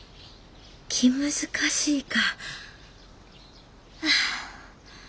「気難しい」か。